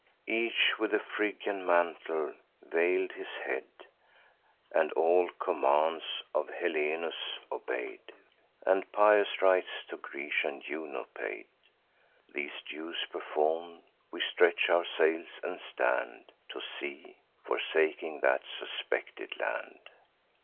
Each with a Phrygian mantle veil'd his head, And all commands of Helenus obey'd, And pious rites to Grecian Juno paid. These dues perform'd, we stretch our sails, and stand To sea, forsaking that suspected land.